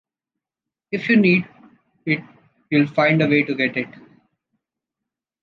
If you need it you’ll find a way to get it.